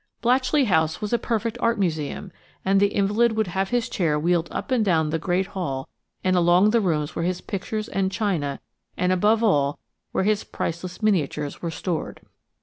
Blatchley House was a perfect art museum, and the invalid would have his chair wheeled up and down the great hall and along the rooms where his pictures and china and, above all, where his priceless miniatures were stored.